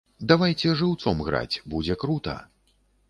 Давайце жыўцом граць, будзе крута!